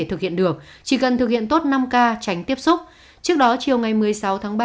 thực hiện được chỉ cần thực hiện tốt năm k tránh tiếp xúc trước đó chiều ngày một mươi sáu tháng ba